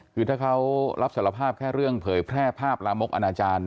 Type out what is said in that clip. คือถ้าเขารับสารภาพแค่เรื่องเผยแพร่ภาพลามกอนาจารย์